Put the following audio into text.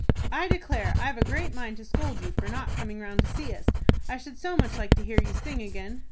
"I declare I've a great mind to scold you for not coming round to see us. I should so much like to hear you sing again."